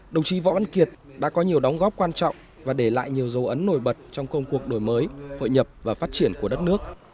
đồng chí võ văn kiệt đã có nhiều đóng góp quan trọng và để lại nhiều dấu ấn nổi bật trong công cuộc đổi mới hội nhập và phát triển của đất nước